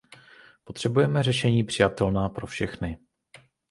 Potřebujeme řešení přijatelná pro všechny.